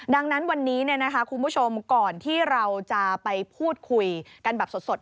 ดังนั้นวันนี้คุณผู้ชมก่อนที่เราจะไปพูดคุยกันแบบสด